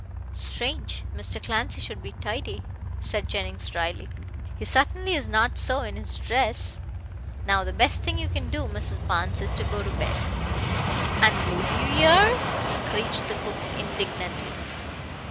"Strange Mr. Clancy should be tidy," said Jennings drily. "He certainly is not so in his dress. Now the best thing you can do, Mrs. Barnes, is to go to bed." "An' leave you 'ere," screeched the cook indignantly.